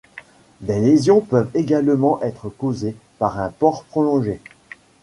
Des lésions peuvent également être causées par un port prolongé.